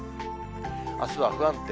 あすは不安定。